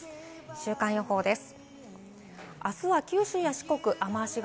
週間予報です。